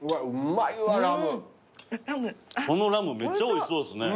そのラムめっちゃおいしそうっすね。